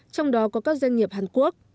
trong đó có các doanh nghiệp hàn quốc